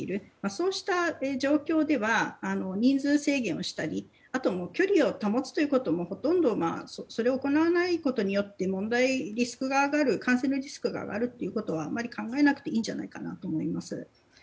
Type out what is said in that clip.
そうした状況では人数制限をしたりあと距離を保つこともそれを行わないことによって感染のリスクが上がるということはあまり考えなくていいんじゃないかと思います。